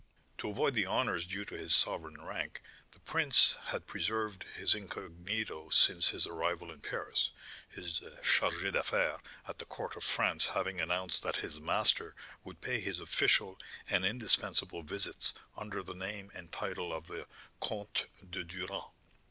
To avoid the honours due to his sovereign rank, the prince had preserved his incognito since his arrival in Paris, his chargé d'affaires at the court of France having announced that his master would pay his official and indispensable visits under the name and title of the Count de Duren.